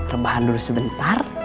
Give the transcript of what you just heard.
rebahan dulu sebentar